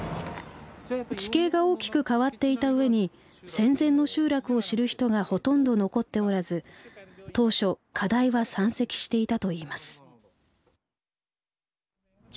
地形が大きく変わっていた上に戦前の集落を知る人がほとんど残っておらず当初課題は山積していたといいます。